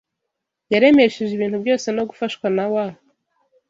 yaremesheje ibintu byose no gufashwa na wa